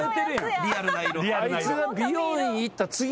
リアルな色。